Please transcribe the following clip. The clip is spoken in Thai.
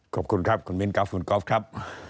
ขอบคุณครับคุณมิ้นครับคุณก๊อฟครับ